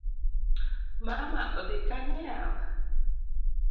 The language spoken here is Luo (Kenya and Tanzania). Mama odhi Kanye yawa?